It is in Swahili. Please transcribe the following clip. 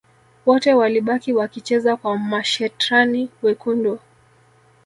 Wote walibaki wakicheza kwa mashetrani wekundu